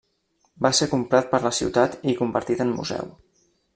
Va ser comprat per la ciutat i convertit en museu.